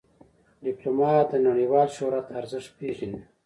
ډيپلومات د نړیوال شهرت ارزښت پېژني.